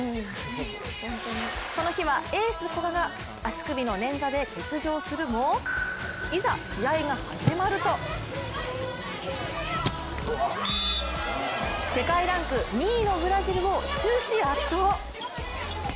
この日は、エース・古賀が足首の捻挫で欠場するも、いざ、試合が始まると世界ランク２位のブラジルを終始圧倒。